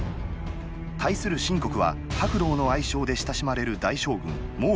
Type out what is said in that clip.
対する秦国は「白老」の愛称で親しまれる大将軍・蒙。